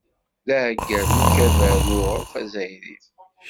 D aɛeggal n Ukabar n Uɣref Azzayri.